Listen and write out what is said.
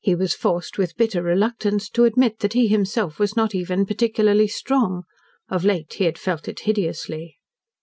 He was forced, with bitter reluctance, to admit that he himself was not even particularly strong of late he had felt it hideously.